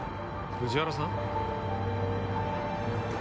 藤原さん！